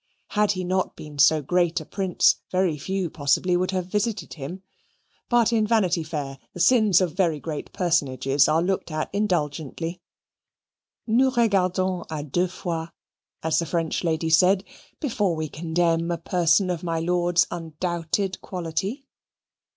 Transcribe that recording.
Had he not been so great a Prince very few possibly would have visited him; but in Vanity Fair the sins of very great personages are looked at indulgently. "Nous regardons a deux fois" (as the French lady said) before we condemn a person of my lord's undoubted quality.